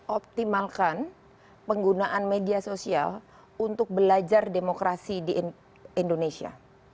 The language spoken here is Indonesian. optimalkan penggunaan media sosial untuk belajar demokrasi di indonesia